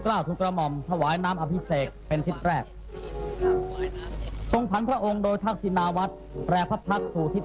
จากนั้นเวลา๑๑นาฬิกาเศรษฐ์พระธินั่งไพรศาลพักศิลป์